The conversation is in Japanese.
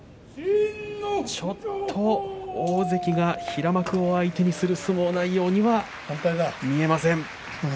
ちょっと大関が平幕を相手にする相撲内容には見えません。